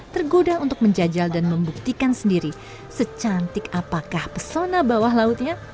tergoda untuk menjajal dan membuktikan sendiri secantik apakah pesona bawah lautnya